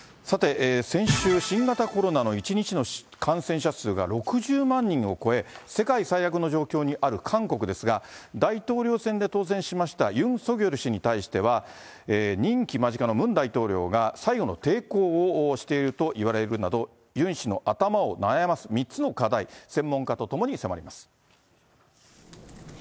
さて、先週、新型コロナの１日の感染者数が６０万人を超え、世界最悪の状況にある韓国ですが、大統領選で当選しましたユン・ソギョル氏に対しては、任期間近のムン大統領が最後の抵抗をしているといわれるなど、ユン氏の頭を悩ます３つの課題、専門家と共に迫ります。